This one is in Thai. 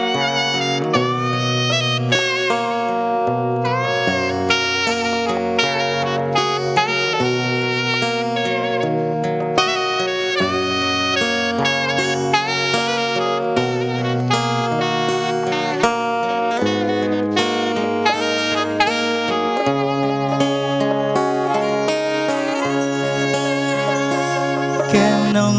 เพราะในลมพัดพาหัวใจพี่ไปถึง